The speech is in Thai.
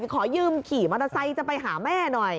ขอยืมขี่มอเตอร์ไซค์จะไปหาแม่หน่อย